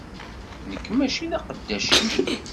Nekk mačči d aqeddac-im!